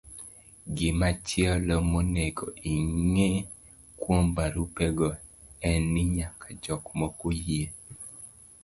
Gimachielo monego ing'e kuom barupego en ni nyaka jok moko yie